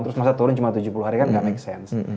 terus masa turun cuma tujuh puluh hari kan gak make sense